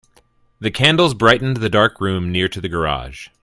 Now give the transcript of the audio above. The candles brightened the dark room near to the garage.